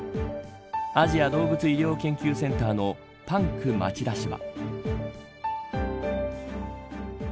アジア動物医療研究センターのパンク町田氏は。